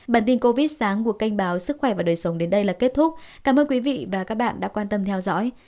bản tin covid sáng của kênh báo sức khỏe và đời sống đến đây là kết thúc cảm ơn quý vị và các bạn đã quan tâm theo dõi